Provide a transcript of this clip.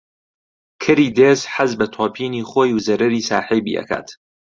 کەری دێز حەز بە تۆپینی خۆی و زەرەری ساحێبی ئەکات